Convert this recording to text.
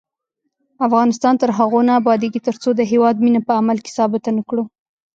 افغانستان تر هغو نه ابادیږي، ترڅو د هیواد مینه په عمل کې ثابته نکړو.